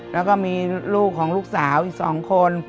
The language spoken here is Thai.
แล้วก็มีลูกของลูกสาวอีสาวอายุสิบสองควบ